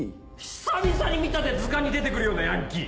久々に見たぜ図鑑に出て来るようなヤンキー。